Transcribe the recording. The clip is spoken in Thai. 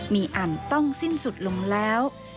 มีอันต้องสิ้นสุดลงแล้ว